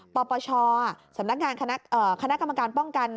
ปปชสำนักงานคณะกรรมการป้องกัน